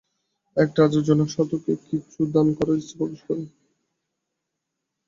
এক রাজা জনৈক সাধুকে কিছু দান করার ইচ্ছা প্রকাশ করেন।